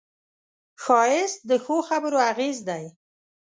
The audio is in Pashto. ښایست د ښو خبرو اغېز دی